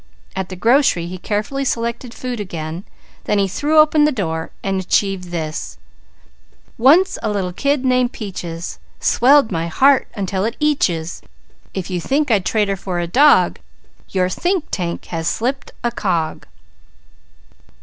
At the grocery he carefully selected food again. Then he threw open his door and achieved this: "_Once a little kid named Peaches, Swelled my heart until it eatches. If you think I'd trade her for a dog, Your think tank has slipped a cog!